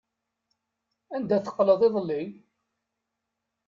Anda teqqleḍ iḍelli?